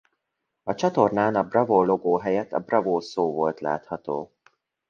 A csatornán a Bravo logó helyett a Bravo szó volt látható.